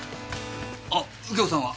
あっ右京さんは？